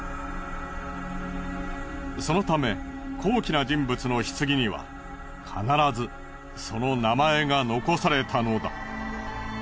そのため高貴な人物の棺には必ずその名前が残されたのだ。